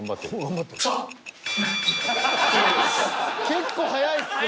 結構早いっすね。